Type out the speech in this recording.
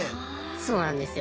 そうなんですよ。